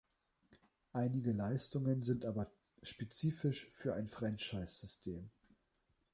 Einige Leistungen sind aber spezifisch für ein Franchisesystem.